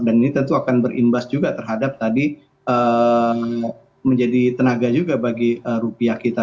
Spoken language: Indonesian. dan ini tentu akan berimbas juga terhadap tadi menjadi tenaga juga bagi rupiah kita